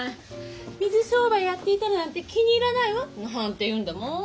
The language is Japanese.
「水商売やっていたなんて気に入らないわ」なんて言うんだもん。